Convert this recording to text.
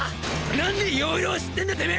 何で要領知ってんだてめ！